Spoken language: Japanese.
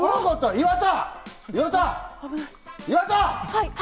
岩田！